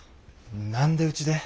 何でうちで？